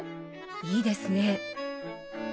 いいですね。